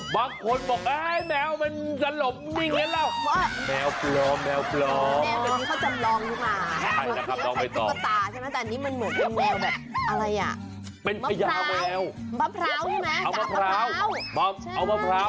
บ้างคนบอกแหมวมันสะลมนิ่งอย่างนี้เหล่า